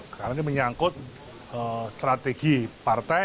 karena ini menyangkut strategi partai